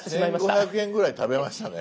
１，５００円ぐらい食べましたね。